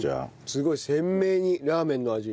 すごい鮮明にラーメンの味。